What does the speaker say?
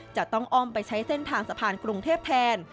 จะต้องอ้อมไปใช้เส้นทางสะพานกรุงเทพแทน